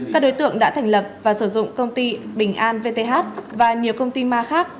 các đối tượng đã thành lập và sử dụng công ty bình an vth và nhiều công ty ma khác